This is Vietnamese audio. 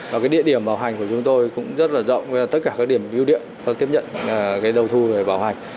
và cái địa điểm bảo hành của chúng tôi cũng rất là rộng tất cả các điểm biêu điện và tiếp nhận cái đầu thu về bảo hành